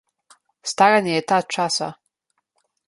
Staranje je tat časa.